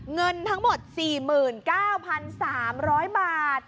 เงินทั้งหมด๔๙๓๐๐บาท